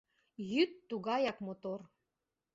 ...Йӱд тугаяк мотор.